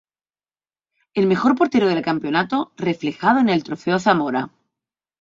El mejor portero del campeonato, reflejado en el trofeo Zamora.